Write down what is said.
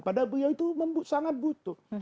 padahal beliau itu sangat butuh